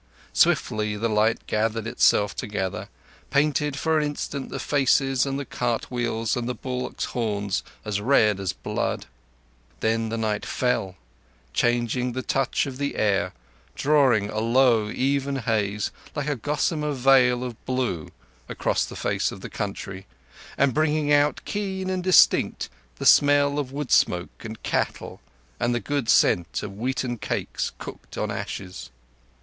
Swiftly the light gathered itself together, painted for an instant the faces and the cartwheels and the bullocks' horns as red as blood. Then the night fell, changing the touch of the air, drawing a low, even haze, like a gossamer veil of blue, across the face of the country, and bringing out, keen and distinct, the smell of wood smoke and cattle and the good scent of wheaten cakes cooked on ashes.